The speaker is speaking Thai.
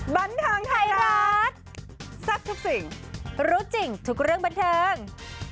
บันเทิงไทยรัฐแซ่บทุกสิ่งรู้จริงทุกเรื่องบันเทิง